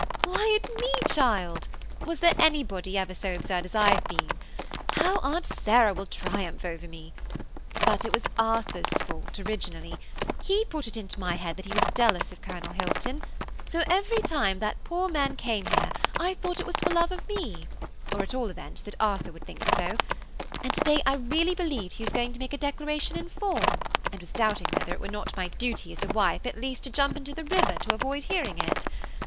"Why, at me, child; was there ever anybody so absurd as I have been? How Aunt Sarah will triumph over me! but it was Arthur's fault, originally–he put it into my head that he was jealous of Colonel Hilton; so every time the poor man came here, I thought it was for love of me, or at all events that Arthur would think so; and to day I really believed he was going to make a declaration in form, and was doubting whether it were not my duty as a wife at least to jump into the river to avoid hearing it.